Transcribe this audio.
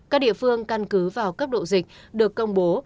các địa phương căn cứ vào cấp độ dịch được công bố